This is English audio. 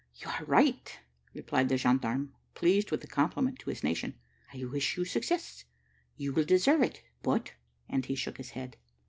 "You are right," replied the gendarme, pleased with the compliment to his nation; "I wish you success, you will deserve it; but " and he shook his head.